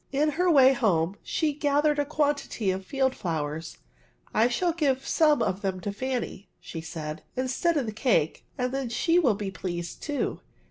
In her way home she gathered a quantity of field flowers. I shall give some of them to Fanny," said she, ^' instead of the cake, and then she will be pleased too."